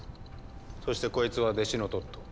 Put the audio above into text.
そしてこいつは弟子のトット。